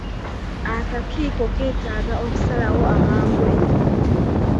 Akakiiko keetaaga okusalawo amangu ennyo.